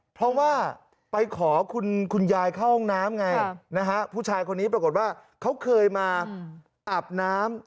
เพราะว่าไปขอคุณยายเข้าห้องน้ำไงนะฮะผู้ชายคนนี้ปรากฏว่าเขาเคยมาอาบน้ำ